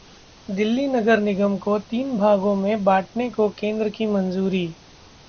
दिल्ली नगर निगम को तीन भागों में बांटने को केन्द्र की मंजूरी